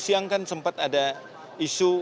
siang kan sempat ada isu